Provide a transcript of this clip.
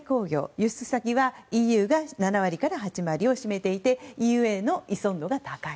輸出先はＥＵが７割から８割を占めていてＥＵへの依存度が高い。